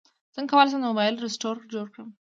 څنګه کولی شم د موبایل رسټور جوړ کړم